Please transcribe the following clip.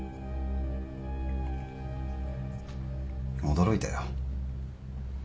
驚いたよ。